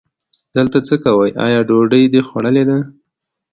دلته څه کوې، آیا ډوډۍ دې خوړلې ده؟